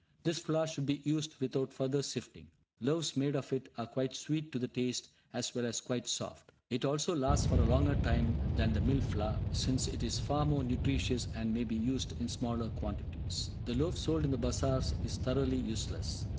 _ This flour should be used without further sifting. Loaves made of it are quite sweet to the taste, as well as quite soft. It also lasts for a longer time than the "mill flour", since it is far more nutritious, and may be used in smaller quantities. The loaf sold in the bazars is thoroughly useless.